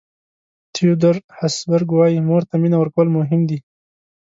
تیودور هسبرګ وایي مور ته مینه ورکول مهم دي.